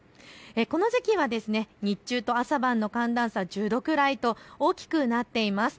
この時期は日中と朝晩の寒暖差、１０度くらいと大きくなっています。